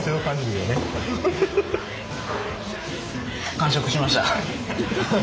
完食しました。